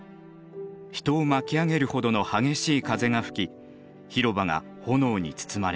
人を巻き上げるほどの激しい風が吹き広場が炎に包まれます。